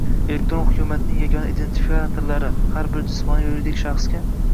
elektron hukumatning yagona identifikatorlari — har bir jismoniy va yuridik shaxsga